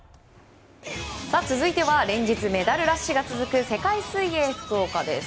続いては連日メダルラッシュが続く世界水泳福岡です。